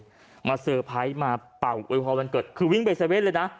วิ่งไปเตรียมมาเปล่าวันเกิดคือวิ่งไปเซเวทเลยนะ